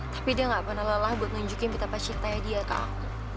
tapi dia gak pernah lelah lelah buat nunjukin minta pacintanya dia ke aku